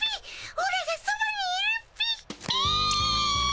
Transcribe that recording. オラがそばにいるっピ。